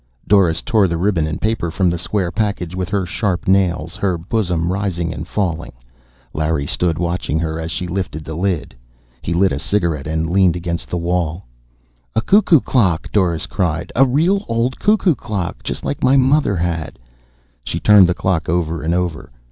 Doris tore the ribbon and paper from the square package with her sharp nails, her bosom rising and falling. Larry stood watching her as she lifted the lid. He lit a cigarette and leaned against the wall. "A cuckoo clock!" Doris cried. "A real old cuckoo clock like my mother had." She turned the clock over and over.